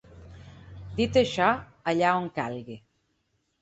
Dit això, allà on calgui.